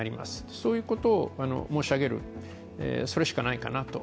そういうことを申し上げる、それしかないかなと。